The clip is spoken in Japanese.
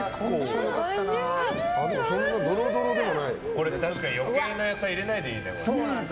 これ、確かに余計な野菜入れないでいいね。